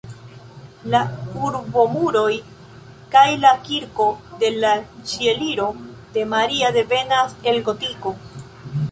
La urbomuroj kaj la kirko de la Ĉieliro de Maria devenas el gotiko.